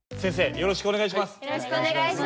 よろしくお願いします。